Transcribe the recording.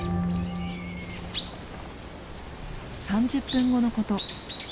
３０分後のこと。